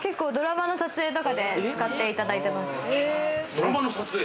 ドラマの撮影？